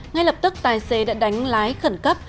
ngay lập tức tài xế đã đánh lái khẩn cấp